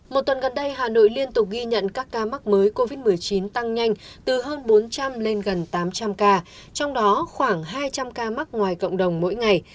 một tuần gần đây hà nội liên tục ghi nhận các ca mắc mới covid một mươi chín tăng nhanh từ hơn bốn trăm linh lên gần tám trăm linh ca trong đó khoảng hai trăm linh ca mắc ngoài cộng đồng mỗi ngày